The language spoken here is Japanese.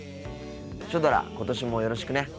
シュドラ今年もよろしくね。